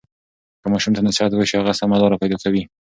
که ماشوم ته نصیحت وشي، هغه سمه لاره پیدا کوي.